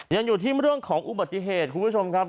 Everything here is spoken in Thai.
ยังอยู่ที่เรื่องของอุบัติเหตุคุณผู้ชมครับ